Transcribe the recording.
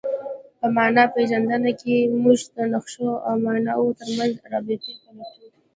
په مانا پېژندنه کښي موږ د نخښو او ماناوو ترمنځ ارتباط پلټو.